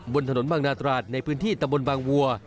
บนถนนบางนาตราดในพื้นที่ตะบนบางวัว